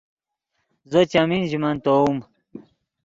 زو چیمین ژے مَنۡ تیووم